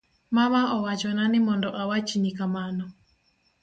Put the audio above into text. Mama owachona ni mondo awachni kamano